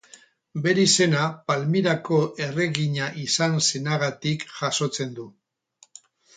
Bere izena Palmirako erregina izan zenagatik jasotzen du.